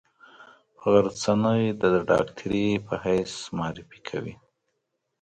غرڅنۍ د ډاکټرې په حیث معرفي کوي.